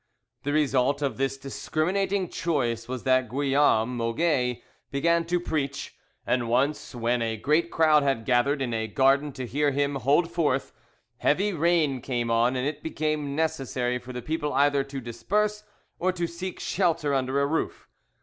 The result of this discriminating choice was that Guillaume Moget began to preach, and once when a great crowd had gathered in a garden to hear him hold forth, heavy rain came on, and it became necessary for the people either to disperse or to seek shelter under a roof.